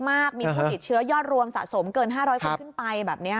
มีคนติดเชื้อยอดรวมสะสมเกิน๕๐๐คนขึ้นไปแบบนี้